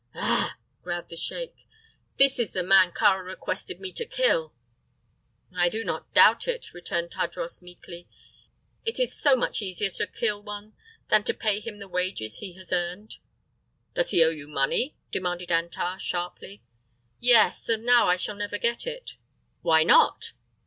"Ah," growled the sheik, "this is the man Kāra requested me to kill!" "I do not doubt it," returned Tadros, meekly. "It is so much easier to kill one than to pay him the wages he has earned." "Does he owe you money?" demanded Antar, sharply. "Yes; and now I shall never get it." "Why not?"